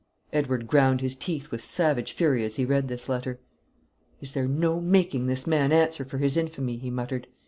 Edward ground his teeth with savage fury as he read this letter. "Is there no making this man answer for his infamy?" he muttered.